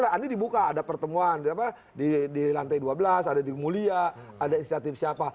nah andi dibuka ada pertemuan di lantai dua belas ada di mulia ada di insiatif siapa